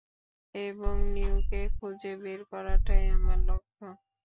এবং, নিওকে খুঁজে বের করাটাই আমার লক্ষ্য!